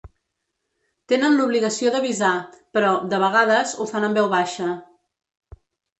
Tenen l’obligació d’avisar, però, de vegades, ho fan en veu baixa.